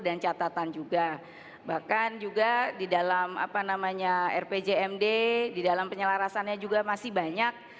dan catatan juga bahkan juga di dalam rpjmd di dalam penyelarasannya juga masih banyak